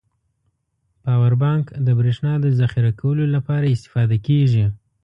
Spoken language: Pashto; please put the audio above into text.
پاور بانک د بريښنا د زخيره کولو لپاره استفاده کیږی.